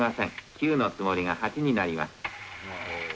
９のつもりが８になります。